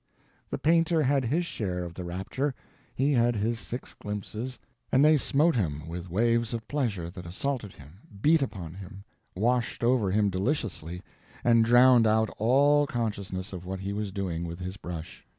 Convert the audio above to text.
The painter had his share of the rapture; he had his six glimpses, and they smote him with waves of pleasure that assaulted him, beat upon him, washed over him deliciously, and drowned out all consciousness of what he was doing with his brush.